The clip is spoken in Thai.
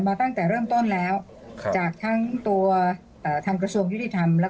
มาตั้งแต่เริ่มต้นแล้วจากทั้งตัวอ่าทางกระทรวงยุติธรรมและ